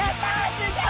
すギョい！